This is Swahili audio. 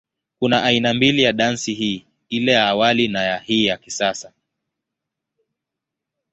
Kuna aina mbili ya dansi hii, ile ya awali na ya hii ya kisasa.